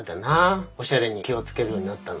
おしゃれに気を付けるようになったの。